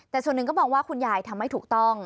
แต่ส่วนหนึ่งก็มองว่าคุณยายทำไม่ถูกต้อง